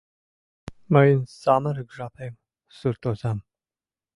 — Мыйын самырык жапем, суртозам...